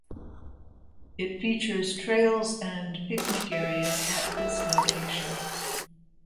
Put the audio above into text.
It features trails and picnic areas at this location.